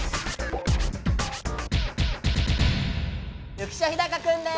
浮所飛貴くんです。